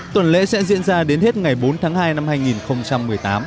tuần lễ sẽ diễn ra đến hết ngày bốn tháng hai năm hai nghìn một mươi tám